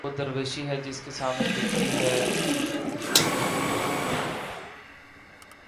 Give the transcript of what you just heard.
وہ درویشی کہ جس کے سامنے جھکتی ہے فغفوری